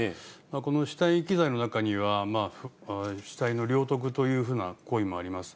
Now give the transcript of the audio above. この死体遺棄罪の中には、死体の領得というふうな行為もあります。